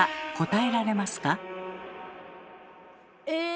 え？